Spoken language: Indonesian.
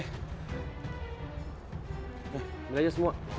ambil aja semua